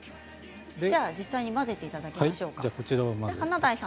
実際に混ぜていただきましょうか。